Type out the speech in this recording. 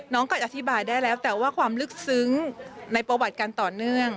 ก็จะอธิบายได้แล้วแต่ว่าความลึกซึ้งในประวัติการต่อเนื่อง